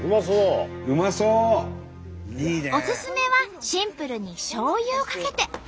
おすすめはシンプルにしょうゆをかけて。